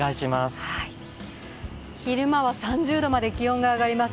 昼間３０度まで気温が上がります。